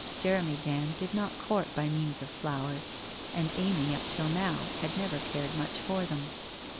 Jeremy Dand did not court by means of flowers, and Amy up till now had never cared much for them.